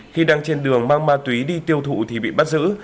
khi đang trên đường mang ma túy đi tiêu thụ thì bị bắt giữ